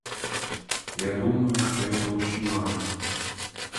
Я думаю, что это очень важно.